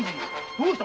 どうした？